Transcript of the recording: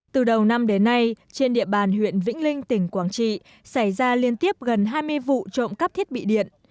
từ đầu năm đến nay trên địa bàn huyện vĩnh linh tỉnh quảng trị xảy ra liên tiếp gần hai mươi vụ trộm cắp thiết bị điện